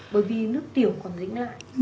bởi vì nước tiểu còn dính lại